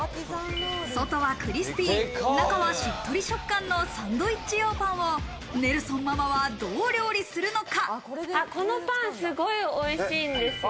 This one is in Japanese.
外はクリスピー、中はしっとり食感のサンドイッチ用パンをネルソンママはどう料理するのか？